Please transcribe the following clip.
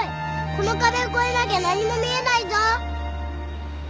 この壁を越えなきゃ何も見えないぞ。